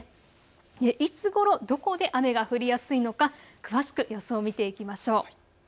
いつごろ、どこで雨が降りやすいのか、詳しく予想を見ていきましょう。